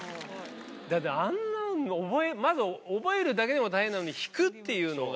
だって、あんなのまず覚えるだけでも大変なのに、弾くっていうのが。